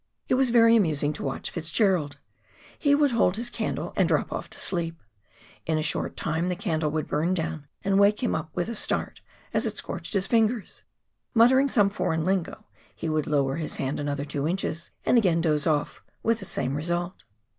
It was very amusing to watcli Fitzgerald ; lie would liold his candle and drop off to sleep ; in a short time the candle would bum down and wake him up with a start, as it scorched his fingers ; muttering some " foreign lingo " he would lower his hand another two inches, and again doze off, with the same result